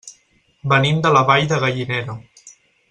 Venim de la Vall de Gallinera.